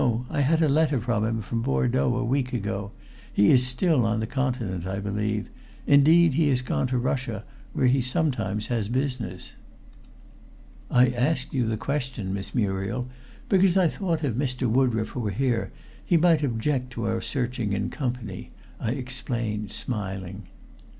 I had a letter from him from Bordeaux a week ago. He is still on the Continent. I believe, indeed, he has gone to Russia, where he sometimes has business." "I asked you the question, Miss Muriel, because I thought if Mr. Woodroffe were here, he might object to our searching in company," I explained, smiling.